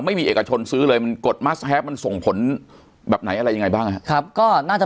ไม่มีเอกชนซื้อเลยมันกดมัสแฮปมันส่งผลแบบไหนอะไรยังไงบ้างครับก็น่าจะ